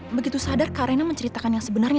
begitu sadar kak raina menceritakan yang sebenarnya